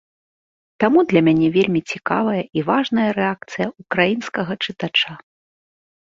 Таму для мяне вельмі цікавая і важная рэакцыя ўкраінскага чытача.